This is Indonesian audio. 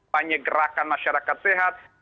panyegerakan masyarakat sehat